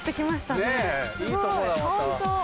ねぇいいとこだまた。